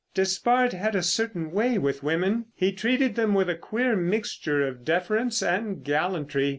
Despard had a certain way with women. He treated them with a queer mixture of deference and gallantry.